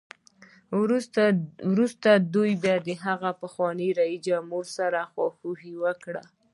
وروسته دوی د هغه له پخواني رییس سره خواخوږي وکړه